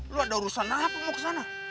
lo ada urusan apa mau ke sana